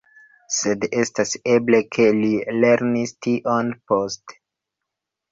Sed estas eble, ke li lernis tion poste.